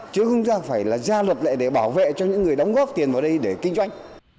chứ không phải là gia lập lại để bảo vệ cho những người đóng góp tiền vào đây để kinh doanh